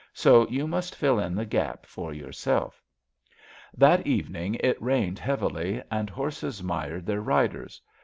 So you must fill in the gap for yourself. That evening it rained heavily, and horses mired their riders.